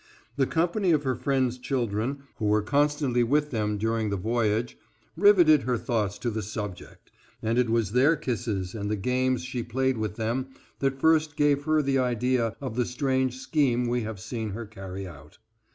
The company of her friend's children, who were constantly with them during the voyage, riveted her thoughts to the subject, and it was their kisses and the games she played with them that first gave her the idea of the strange scheme we have seen her carry out.